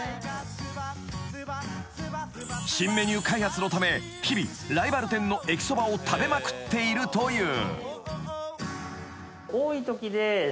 ［新メニュー開発のため日々ライバル店の駅そばを食べまくっているという］